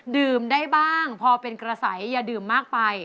ดื่มได้บ้างพอเป็นกระสัยอย่าดื่มมากไป